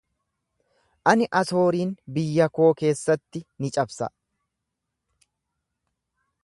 Ani Asooriin biyya koo keessatti ni cabsa.